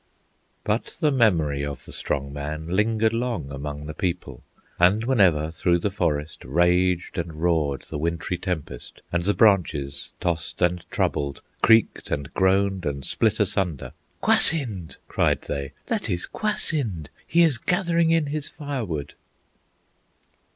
But the memory of the Strong Man Lingered long among the people, And whenever through the forest Raged and roared the wintry tempest, And the branches, tossed and troubled, Creaked and groaned and split asunder, "Kwasind!" cried they; "that is Kwasind! He is gathering in his fire wood!"